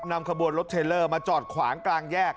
นำขบวนรถเทลเลอร์มาจอดขวางกลางแยก